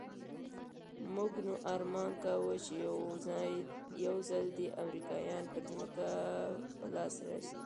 موږ نو ارمان کاوه چې يو ځل دې امريکايان پر ځمکه په لاس راسي.